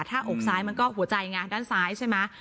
ถ้าอกซ้ายมันก็หัวใจไงด้านซ้ายใช่ไหม